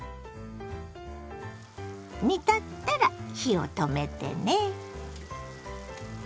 煮立ったら火を止めてね。